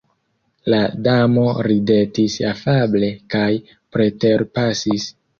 La Damo ridetis afable kaj preterpasis!